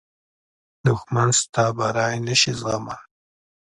دښمن ستا بری نه شي زغملی